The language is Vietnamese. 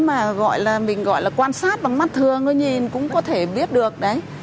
mà gọi là mình gọi là quan sát bằng mắt thường thôi nhìn cũng có thể biết được đấy